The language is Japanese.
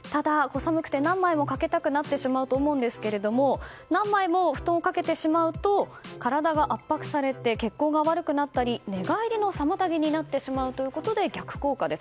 寒くて何枚もかけたくなってしまうと思うんですけど何枚も布団をかけてしまうと体が圧迫されて血行が悪くなったり寝返りの妨げになってしまうということで逆効果です。